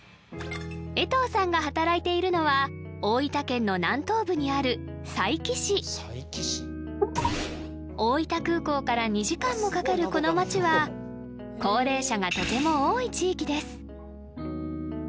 江藤さんが働いているのは大分県の南東部にある佐伯市大分空港から２時間もかかるこの町は高齢者がとても多い地域です